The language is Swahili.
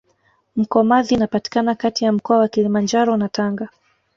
mkomazi inapatikana Kati ya mkoa wa kilimanjaro na tanga